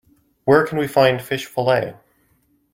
Where can we find fish fillet?